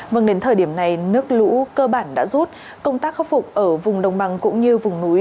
vâng đến thời điểm này nước lũ cơ bản đã rút công tác khắc phục ở vùng đồng bằng cũng như vùng núi